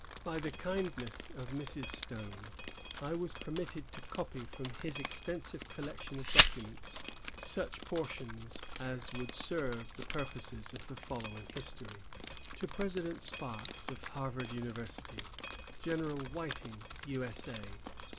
By the kindness of Mrs. Stone, I was permitted to copy from his extensive collection of documents such portions as would serve the purposes of the following History. To President Sparks of Harvard University, General Whiting, U. S. A.